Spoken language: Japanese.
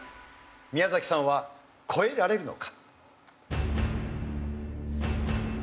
宮崎さんは越えられるのか？